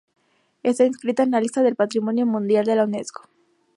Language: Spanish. Está inscrita en la lista del patrimonio mundial de la Unesco.